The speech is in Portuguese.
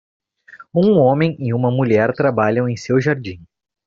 Um homem e uma mulher trabalham em seu jardim.